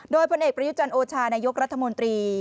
โดยพลเอกประยุจันโอชานายกรัฐมนตรี